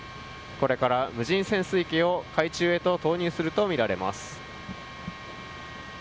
これから、無人潜水機を海中へと投入するとみられます。